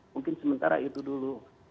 mungkin sementara itu dulu